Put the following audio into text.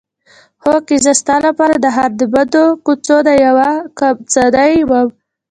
هوکې زه ستا لپاره د ښار د بدو کوڅو نه یوه کمچنۍ وم.